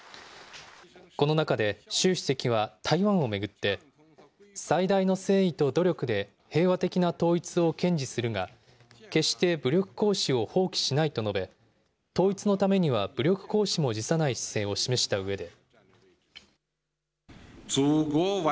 この中で、習主席は台湾を巡って、最大の誠意と努力で平和的な統一を堅持するが、決して武力行使を放棄しないと述べ、統一のためには武力行使も辞さない姿勢を示したうえで。